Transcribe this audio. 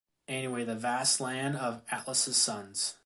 Anyway the vast land of Atlas’s sons.